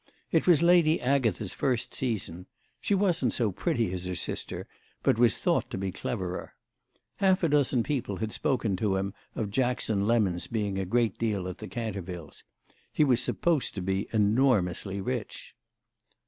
It was Lady Agatha's first season; she wasn't so pretty as her sister, but was thought to be cleverer. Half a dozen people had spoken to him of Jackson Lemon's being a great deal at the Cantervilles. He was supposed to be enormously rich.